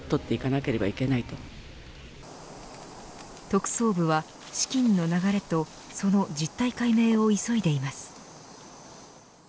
特捜部は資金の流れとその実態解明を急いでいます。